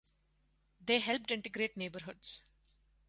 They helped integrate neighborhoods.